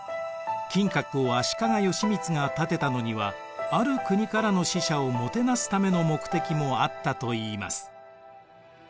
金閣を足利義満が建てたのにはある国からの使者をもてなすための目的もあったといいます。